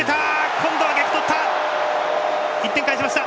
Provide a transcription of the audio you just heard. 今度は逆をとった！